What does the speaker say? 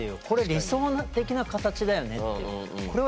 これ理想的な形だよねっていう。